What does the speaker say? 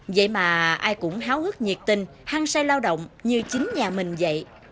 vậy mà ai cũng háo hức nhiệt tình hăng say lao động như chính nhà mình vậy